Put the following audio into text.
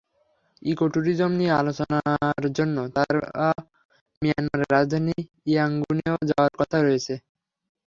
Eco tourism নিয়ে আলোচনার জন্য তার মিয়ানমারের রাজধানী ইয়াঙ্গুনেও যাওয়ার কথা রয়েছে।